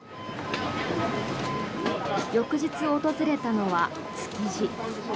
翌日訪れたのは築地。